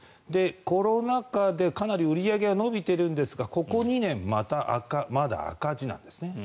コロナ禍でかなり売り上げが伸びているんですがここ２年、まだ赤字なんですね。